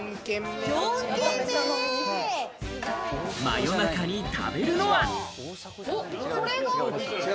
真夜中に食べるのは？